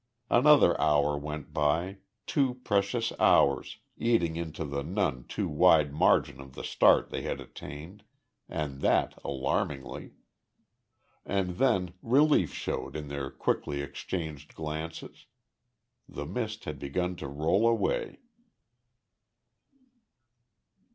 Another hour went by two precious hours eating into the none too wide margin of the start they had attained and that alarmingly. And then relief showed in their quickly exchanged glances. The mist had begun to roll away.